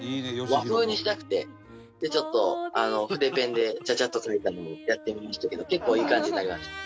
和風にしたくてちょっと筆ペンでチャチャッと書いたのをやってみましたけど結構いい感じになりました。